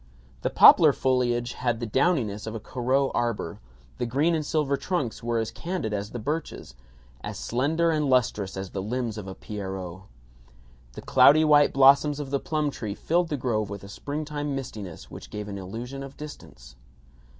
The poplar foliage had the downiness of a Corot arbor; the green and silver trunks were as candid as the birches, as slender and lustrous as the limbs of a Pierrot. The cloudy white blossoms of the plum trees filled the grove with a springtime mistiness which gave an illusion of distance.